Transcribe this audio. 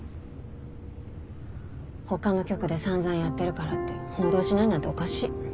他の局で散々やってるからって報道しないなんておかしい。